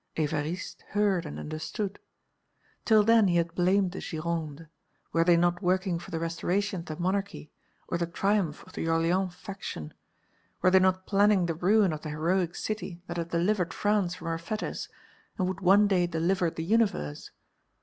Évariste heard and understood. Till then he had blamed the Gironde; were they not working for the restoration of the monarchy or the triumph of the Orleans faction, were they not planning the ruin of the heroic city that had delivered France from her fetters and would one day deliver the universe?